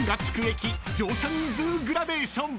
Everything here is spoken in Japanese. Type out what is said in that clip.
駅乗車人数グラデーション］